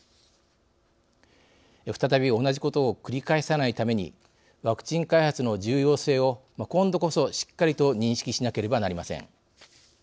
再び同じことを繰り返さないためにワクチン開発の重要性を今度こそしっかりと認識しなければなりません。